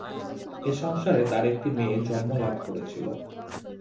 এ সংসারে তার একটি মেয়ে জন্ম লাভ করেছিল।